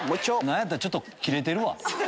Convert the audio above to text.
何やったらちょっとキレてるわ。